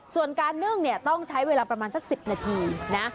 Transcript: ส่วนการนึ่งเนี่ยต้องใช้เวลาประมาณสัก๑๐นาทีนะ